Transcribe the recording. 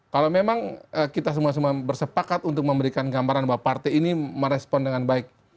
kalau memang kita semua semua bersepakat untuk memberikan gambaran bahwa partai ini merespon dengan baik